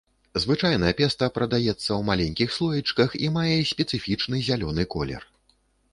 Звычайна песта прадаецца ў маленькіх слоічках і мае спецыфічны зялёны колер.